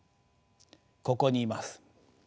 ここにいます。